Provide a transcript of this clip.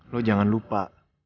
lo jangan lupa